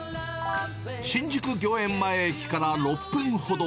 新宿御苑前駅から６分ほど。